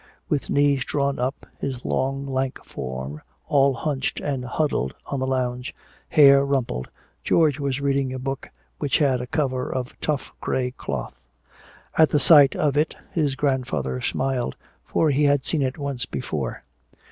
With knees drawn up, his long lank form all hunched and huddled on the lounge, hair rumpled, George was reading a book which had a cover of tough gray cloth. At the sight of it his grandfather smiled, for he had seen it once before.